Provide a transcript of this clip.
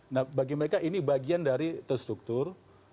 nah bagi mereka ini bagian dari terstruktur